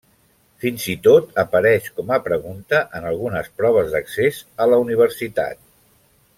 Fins i tot apareix com a pregunta en algunes proves d'accés a la universitat.